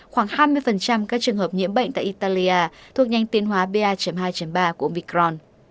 khoảng hai mươi các trường hợp nhiễm bệnh tại italia thuộc nhanh tiến hóa ba hai ba của micron